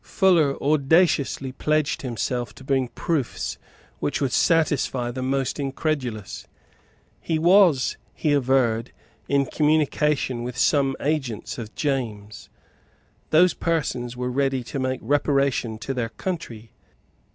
Fuller audaciously pledged himself to bring proofs which would satisfy the most incredulous. He was, he averred, in communication with some agents of James. Those persons were ready to make reparation to their country.